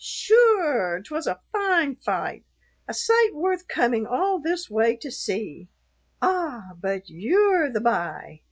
"Sure, 'twas a fine fight, a sight worth coming all this way to see. Ah! but you're the b'y.